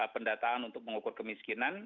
pendataan untuk pengukuran kemiskinan